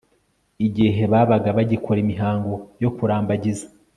igihe babaga bagikora imihango yo kurambagiza